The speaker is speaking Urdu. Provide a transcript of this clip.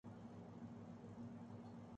جھانوی کپور بولی وڈ کی اگلی سپر اسٹار